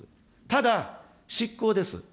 ただ、執行です。